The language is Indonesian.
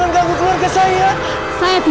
aku akan menganggap